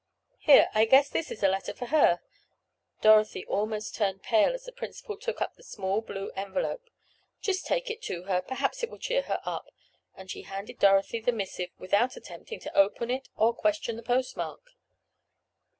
Here, I guess this is a letter for her." Dorothy almost turned pale as the principal took up the small blue envelope. "Just take it to her—perhaps it will cheer her up," and she handed Dorothy the missive without attempting to open it or question the postmark.